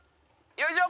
よいしょ！